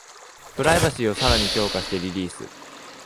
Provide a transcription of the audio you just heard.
プライバシーをさらに強化してリリース